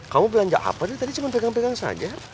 kamu belanja apa tadi cuma pegang pegang saja